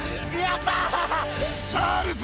チャールズ！